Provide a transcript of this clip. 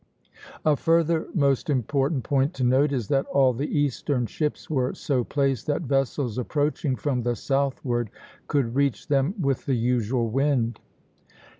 A further most important point to note is that all the eastern ships were so placed that vessels approaching from the southward could reach them with the usual wind.